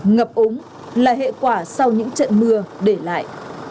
ngập ống là hệ quả sau những trận mưa để lại